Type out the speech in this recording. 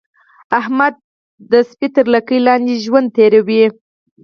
احمد د سپي تر لګۍ لاندې ژوند تېروي.